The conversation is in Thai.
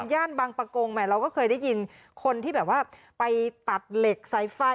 ย่านบางประกงใหม่เราก็เคยได้ยินคนที่แบบว่าไปตัดเหล็กสายไฟ